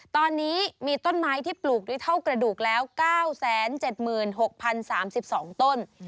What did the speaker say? ตอนนี้มีต้นไม้ที่ปลูกด้วยเท่ากระดูกแล้ว๙๗๖๐๓๒ต้น